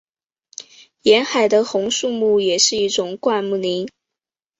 沿海的红树林也是一种灌木林。